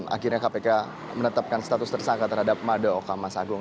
akhirnya kpk menetapkan status tersangka terhadap madaoka mas agung